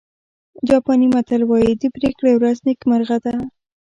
جاپاني متل وایي د پرېکړې ورځ نیکمرغه ده.